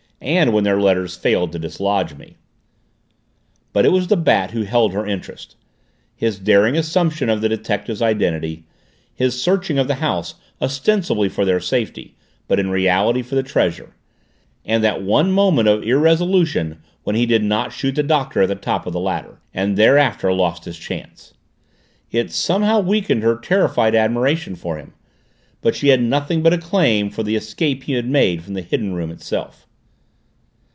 "And when their letters failed to dislodge me." But it was the Bat who held her interest; his daring assumption of the detective's identity, his searching of the house ostensibly for their safety but in reality for the treasure, and that one moment of irresolution when he did not shoot the Doctor at the top of the ladder. And thereafter lost his chance It somehow weakened her terrified admiration for him, but she had nothing but acclaim for the escape he had made from the Hidden Room itself.